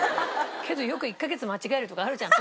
けどよく１カ月間違えるとかあるじゃん。